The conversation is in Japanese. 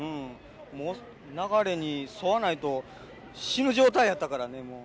もう流れに沿わないと、死ぬ状態やったからね、もう。